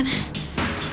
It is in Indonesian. sampai jumpa lagi